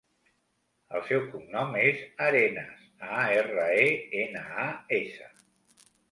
El seu cognom és Arenas: a, erra, e, ena, a, essa.